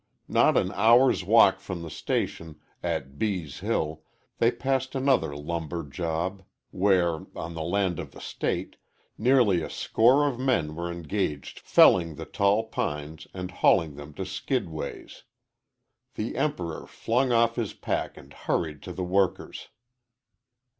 Not an hour's walk from the station, at Bees' Hill, they passed another lumber job, where, on the land of the State, nearly a score of men were engaged felling the tall pines and hauling them to skid ways. The Emperor flung off his pack and hurried to the workers.